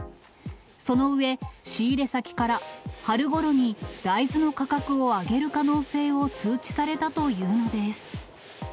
その上、仕入れ先から春ごろに大豆の価格を上げる可能性を通知されたというのです。